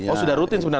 oh sudah rutin